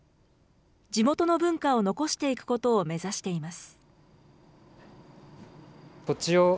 地元の文化を残していくことを目指しています。